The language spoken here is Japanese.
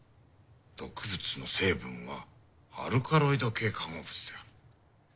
「毒物の成分はアルカロイド系化合物である」。